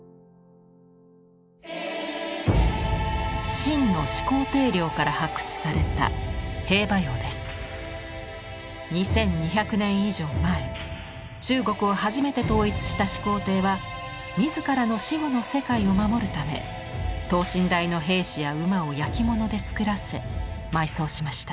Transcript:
秦の始皇帝陵から発掘された２，２００年以上前中国を初めて統一した始皇帝は自らの死後の世界を守るため等身大の兵士や馬を焼き物で作らせ埋葬しました。